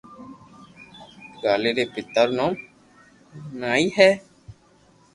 ڪالي ري پيتا رو نوم نائي ھي